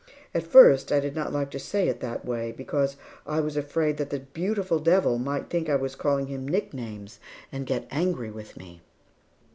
At first, I did not like to say it that way, because I was afraid that the beautiful devil might think that I was calling him nicknames and get angry with me.